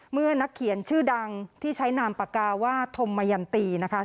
เมื่อนักเขียนชื่อดังที่ใช้นามปากกาว่าธมยันตีนะคะ